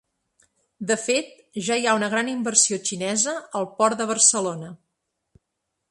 De fet, ja hi ha una gran inversió xinesa al port de Barcelona.